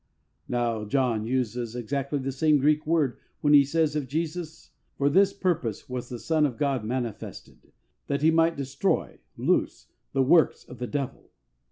Now John uses exactly the same Greek word when he says of Jesus, "For this purpose was the Son of God manifested that He might destroy (loose) the works of the devil."